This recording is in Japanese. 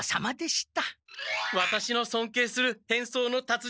ワタシのそんけいする変装の達人